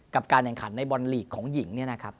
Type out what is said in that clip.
การแข่งขันในบอลลีกของหญิงเนี่ยนะครับ